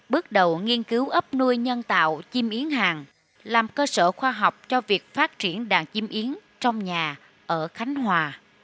bước đầu nghiên cứu ấp nuôi nhân tạo chim yến hàng làm cơ sở khoa học cho việc phát triển đàn chim yến trong nhà ở khánh hòa